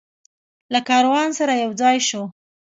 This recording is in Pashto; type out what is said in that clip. له کاروان سره یوځای شو.